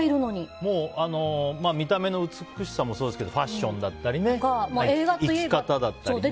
見た目の美しさもそうですけどファッションだったり生き方だったりね。